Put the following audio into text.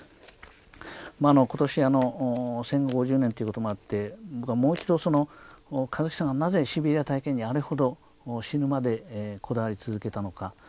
まあ今年戦後５０年ということもあって僕はもう一度その香月さんがなぜシベリア体験にあれほど死ぬまでこだわり続けたのか。